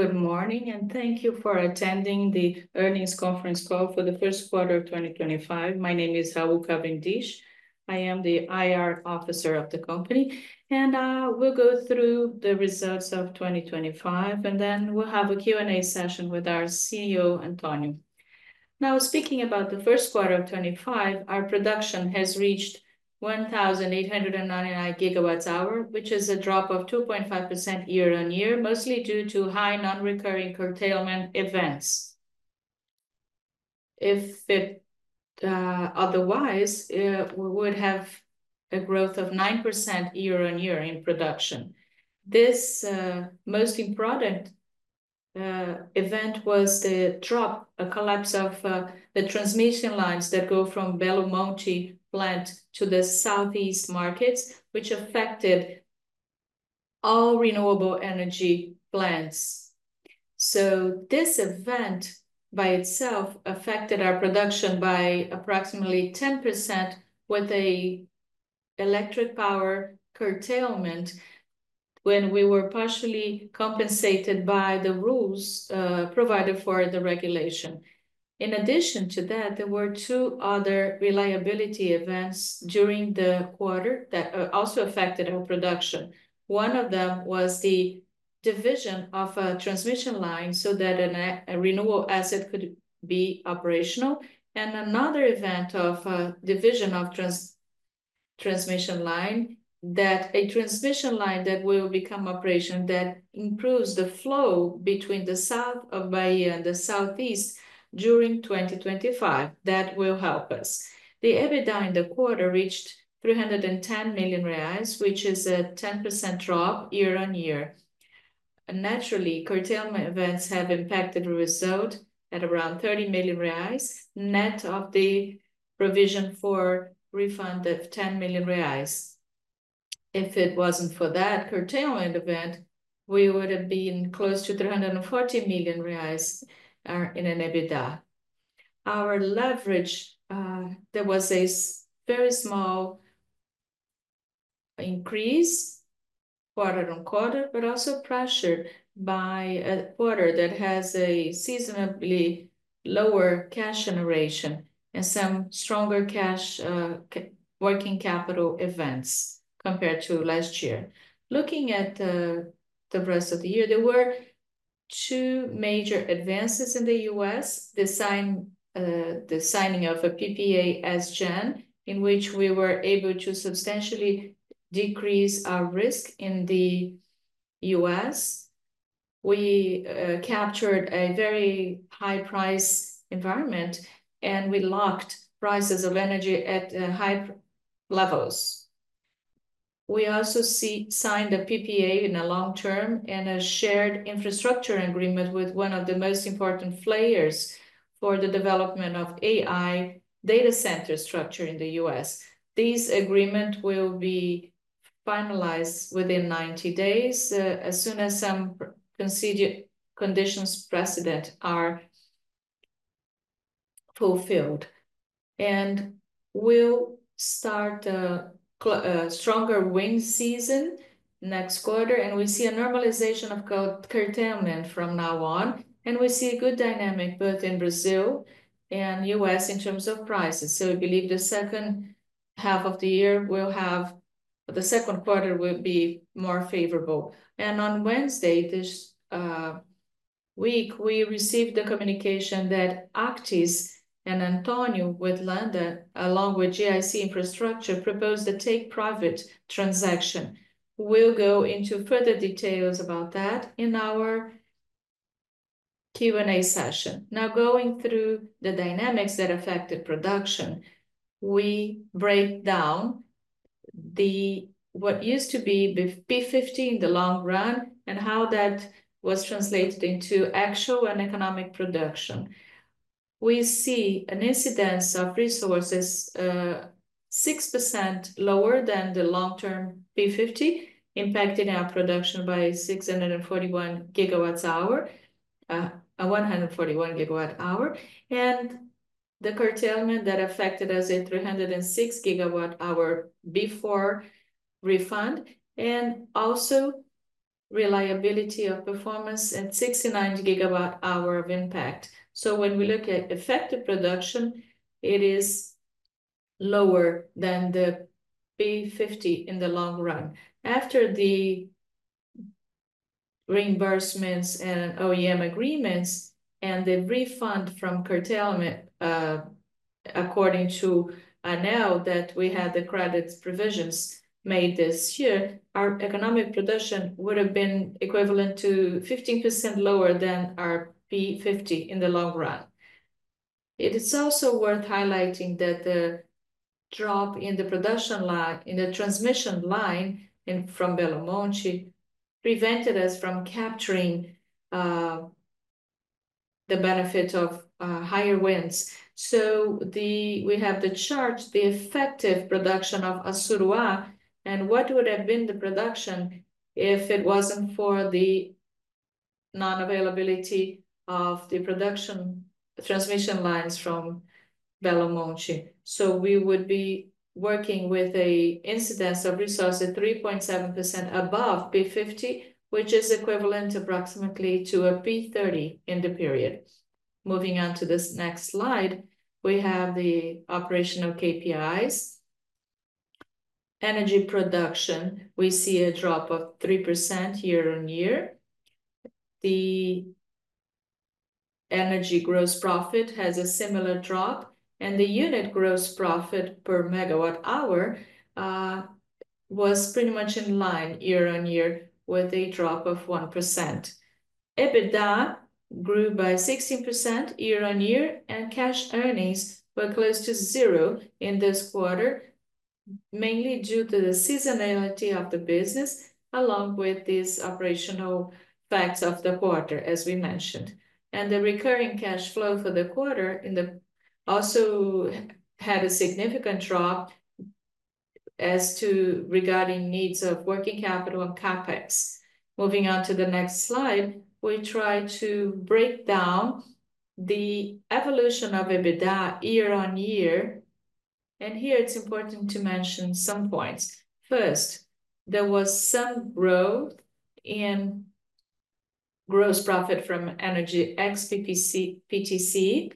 Good morning, and thank you for attending the earnings conference call for the first quarter of 2025. My name is Raul Cavendish. I am the IR Officer of the company, and we'll go through the results of 2025, and then we'll have a Q&A session with our CEO, Antonio. Now, speaking about the first quarter of 2025, our production has reached 1,899 GWh, which is a drop of 2.5% year-on-year, mostly due to high non-recurring curtailment events. If otherwise, we would have a growth of 9% year-on-year in production. This most important event was the drop, a collapse of the transmission lines that go from Belo Monte plant to the Southeast Brazil markets, which affected all renewable energy plants. This event by itself affected our production by approximately 10% with an electric power curtailment when we were partially compensated by the rules provided for the regulation. In addition to that, there were two other reliability events during the quarter that also affected our production. One of them was the division of a transmission line so that a renewable asset could be operational, and another event of a division of transmission line, that a transmission line that will become operational that improves the flow between the south of Bahia and the southeast during 2025, that will help us. The EBITDA in the quarter reached 310 million reais, which is a 10% drop year-on-year. Naturally, curtailment events have impacted the result at around 30 million reais net of the provision for refund of 10 million reais. If it was not for that curtailment event, we would have been close to 340 million reais in EBITDA. Our leverage, there was a very small increase quarter on quarter, but also pressured by a quarter that has a seasonably lower cash generation and some stronger cash working capital events compared to last year. Looking at the rest of the year, there were two major advances in the US: the signing of a PPA, in which we were able to substantially decrease our risk in the US. We captured a very high-price environment, and we locked prices of energy at high levels. We also signed a PPA in the long term and a shared infrastructure agreement with one of the most important players for the development of AI data center structure in the US. This agreement will be finalized within 90 days as soon as some conditions precedent are fulfilled. We will start a stronger wind season next quarter, and we see a normalization of curtailment from now on, and we see a good dynamic both in Brazil and US in terms of prices. We believe the second half of the year will have, the second quarter will be more favorable. On Wednesday this week, we received the communication that ACTIS and Antonio Lenda, along with GIC Infrastructure, proposed a take-profit transaction. We will go into further details about that in our Q&A session. Now, going through the dynamics that affected production, we break down what used to be P50 in the long run and how that was translated into actual and economic production. We see an incidence of resources 6% lower than the long-term P50, impacting our production by 641 GWh, 141 GWh, and the curtailment that affected us at 306 GWh before refund, and also reliability of performance at 69 GWh of impact. When we look at effective production, it is lower than the P50 in the long run. After the reimbursements and OEM agreements and the refund from curtailment, according to ANEEL, that we had the credits provisions made this year, our economic production would have been equivalent to 15% lower than our P50 in the long run. It is also worth highlighting that the drop in the production line in the transmission line from Belo Monte prevented us from capturing the benefit of higher winds. We have the chart, the effective production of Azurua, and what would have been the production if it was not for the non-availability of the production transmission lines from Belo Monte. We would be working with an incidence of resources 3.7% above P50, which is equivalent approximately to a P30 in the period. Moving on to this next slide, we have the operational KPIs. Energy production, we see a drop of 3% year-on-year. The energy gross profit has a similar drop, and the unit gross profit per megawatt-hour was pretty much in line year-on-year with a drop of 1%. EBITDA grew by 16% year-on-year, and cash earnings were close to zero in this quarter, mainly due to the seasonality of the business, along with these operational facts of the quarter, as we mentioned. The recurring cash flow for the quarter also had a significant drop regarding needs of working capital and Capex. Moving on to the next slide, we try to break down the evolution of EBITDA year-on-year. Here, it's important to mention some points. First, there was some growth in gross profit from energy XPPC, PTC,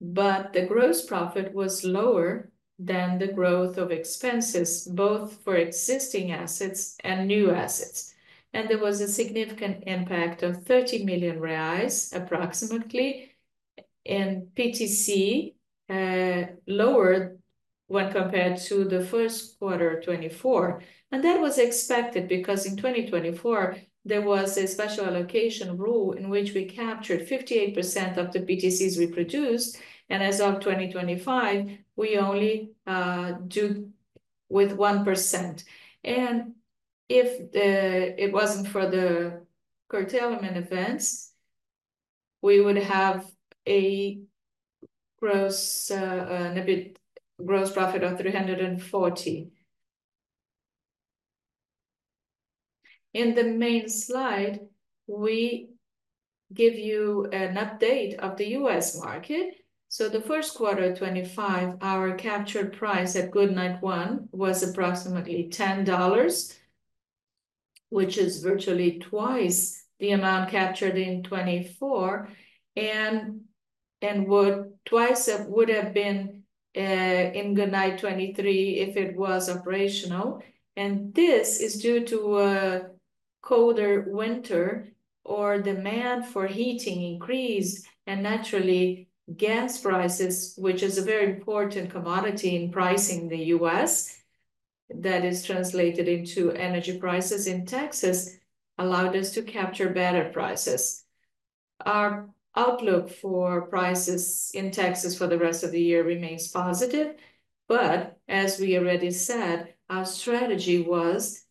but the gross profit was lower than the growth of expenses, both for existing assets and new assets. There was a significant impact of 30 million reais approximately, and PTC lowered when compared to the first quarter 2024. That was expected because in 2024, there was a special allocation rule in which we captured 58% of the PTCs we produced, and as of 2025, we only do with 1%. If it wasn't for the curtailment events, we would have a gross profit of 340. In the main slide, we give you an update of the US market. The first quarter 2025, our captured price at Goodnight One was approximately $10, which is virtually twice the amount captured in 2024, and what twice would have been in Goodnight 2023 if it was operational. This is due to colder winter where demand for heating increased, and naturally, gas prices, which is a very important commodity in pricing the US, that is translated into energy prices in Texas, allowed us to capture better prices. Our outlook for prices in Texas for the rest of the year remains positive, but as we already said, our strategy was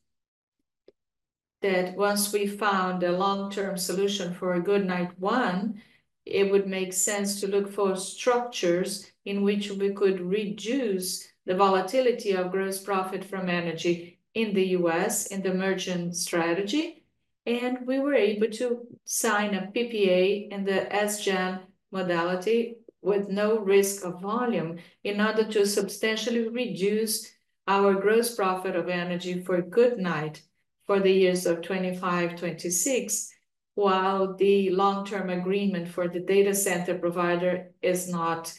that once we found a long-term solution for Goodnight One, it would make sense to look for structures in which we could reduce the volatility of gross profit from energy in the US in the merchant strategy. We were able to sign a PPA in the SGEN modality with no risk of volume in order to substantially reduce our gross profit of energy for Goodnight for the years of 2025, 2026, while the long-term agreement for the data center provider is not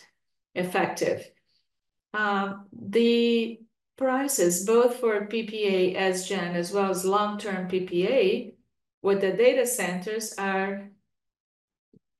effective. The prices, both for PPA SGEN as well as long-term PPA with the data centers, are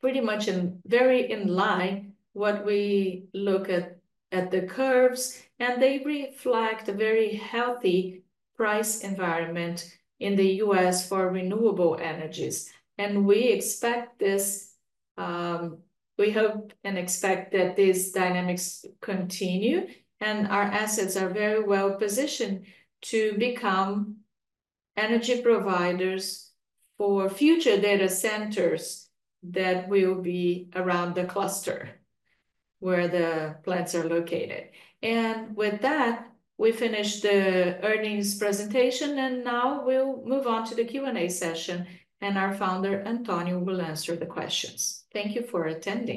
pretty much very in line with what we look at the curves, and they reflect a very healthy price environment in the US for renewable energies. We expect this, we hope and expect that these dynamics continue, and our assets are very well positioned to become energy providers for future data centers that will be around the cluster where the plants are located. With that, we finished the earnings presentation, and now we'll move on to the Q&A session, and our founder, Antonio, will answer the questions. Thank you for attending.